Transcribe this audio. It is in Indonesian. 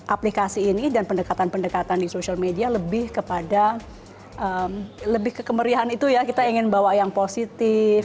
aplikasi ini dan pendekatan pendekatan di social media lebih kepada lebih ke kemeriahan itu ya kita ingin bawa yang positif